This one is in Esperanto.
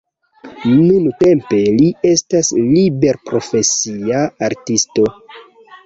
Nuntempe li estas liberprofesia artisto.